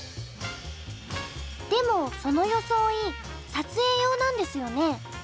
でもそのよそおい撮影用なんですよね？